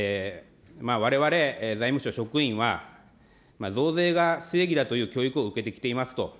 われわれ財務省職員は、増税が正義だという教育を受けてきていますと。